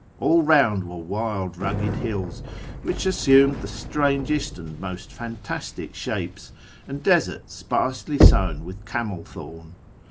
All around were wild, rugged hills, which assumed the strangest and most fantastic shapes, and desert sjDarsely sown with camel thorn.